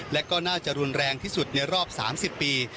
และก็น่าจะรุนแรงที่สุดในรอบ๓๐ปี